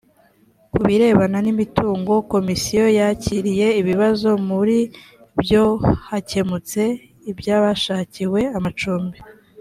ku birebana n’imitungo komisiyo yakiriye ibibazo muri byo hakemutse iby’abashakiwe amacumbi